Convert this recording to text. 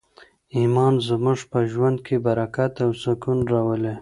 ایمان زموږ په ژوند کي برکت او سکون راولي.